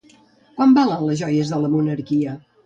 Quan valen les joies de la monarquia?